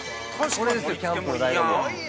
これですよ、キャンプの醍醐味は。